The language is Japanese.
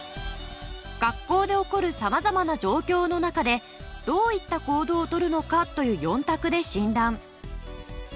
学校で起こる様々な状況の中でどういった行動を取るのかという４択で診断。